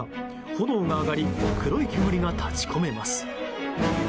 炎が上がり黒い煙が立ち込めます。